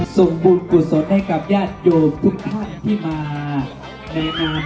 ส่งบุญกุศลให้กับญาติโยคทุกท่านที่มาในอาหารให้ครั้งนี้